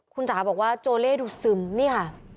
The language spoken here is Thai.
คุณจ๋าบอกว่าโจเล่ดูซึมนี่ค่ะ